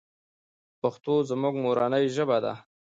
پښتو زموږ مورنۍ ژبه ده.